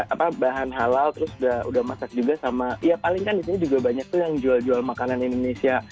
udah belanja beberapa bahan halal terus udah masak juga sama ya paling kan disini juga banyak tuh yang jual jual makanan indonesia